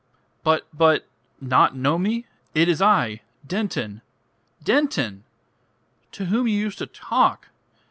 "But but ... Not know me! It is I Denton. Denton! To whom you used to talk.